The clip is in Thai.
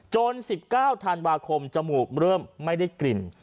๑๙ธันวาคมจมูกเริ่มไม่ได้กลิ่น